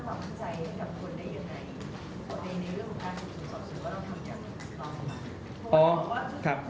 หรือว่าจะเป็นคนที่เกี่ยวข้องกับในงานราชการเองด้วย